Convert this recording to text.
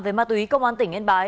về ma túy công an tỉnh yên bái